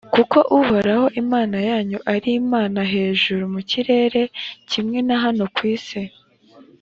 kuko uhoraho, imana yanyu, ari imana hejuru mu kirere kimwe na hano ku isi.